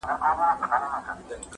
o ستا د سونډو له ساغره به یې جار کړم,